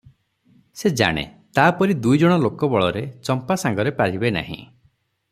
ସେ ଜାଣେ ତା'ପରି ଦୁଇଜଣ ଲୋକ ବଳରେ ଚମ୍ପା ସାଙ୍ଗରେ ପାରିବେ ନାହିଁ ।